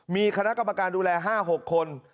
มีคณะกรรมการดูแล๕๖คน